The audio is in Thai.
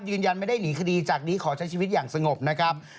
ยืนยันไม่ได้หนีคดีจากนี้ขอใช้ชีวิตอย่างสงบนะครับ